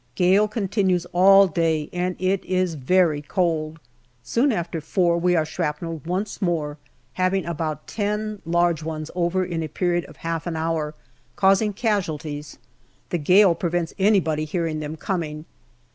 Gale continues all day, and it is very cold. Soon after four we are shrapnelled once more, having about ten large ones over in a period .of half an hour, causing casualties. The gale prevents anybody hearing them coming.